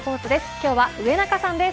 今日は上中さんです。